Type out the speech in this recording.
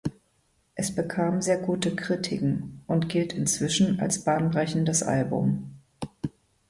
Es bekam sehr gute Kritiken und gilt inzwischen als bahnbrechendes Album.